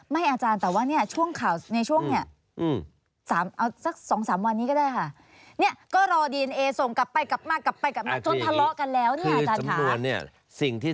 ไม่อาจารย์แต่ว่าเนี่ยช่วงข่าวในช่วงเนี่ย